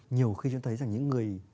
nhiều khi chúng tôi thấy rằng những người